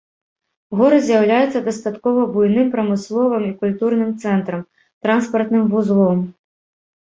Горад з'яўляецца дастаткова буйным прамысловым і культурным цэнтрам, транспартным вузлом.